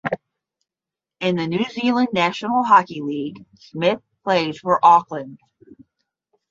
In the New Zealand National Hockey League Smith plays for Auckland.